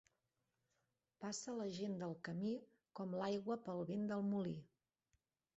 Passa la gent del camí com l'aigua pel vent del molí.